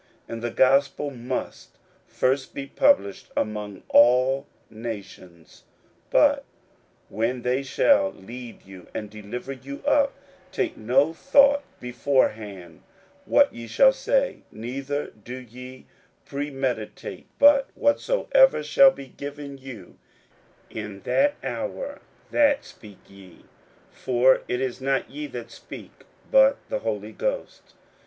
41:013:010 And the gospel must first be published among all nations. 41:013:011 But when they shall lead you, and deliver you up, take no thought beforehand what ye shall speak, neither do ye premeditate: but whatsoever shall be given you in that hour, that speak ye: for it is not ye that speak, but the Holy Ghost.